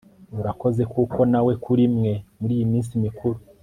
urakoze, kuko nawe, kuri imwe muriyi minsi mikuru